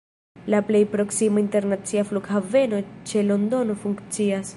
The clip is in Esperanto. La plej proksima internacia flughaveno ĉe Londono funkcias.